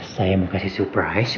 saya mau kasih surprise